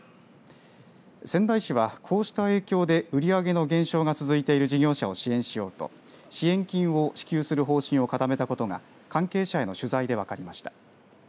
仙台市は、こうした影響で売り上げの減少が続いている事業者を支援しようと支援金を支給する方針を固めたことが関係者への取材で分かりました。